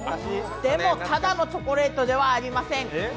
でも、ただのチョコレートではありません。